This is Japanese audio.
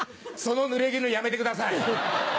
そのぬれぎぬやめてください。